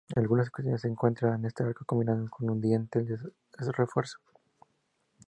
En algunas ocasiones se encuentra este arco combinado con un dintel de refuerzo.